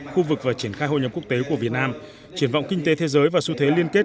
khu vực và triển khai hội nhập quốc tế của việt nam triển vọng kinh tế thế giới và xu thế liên kết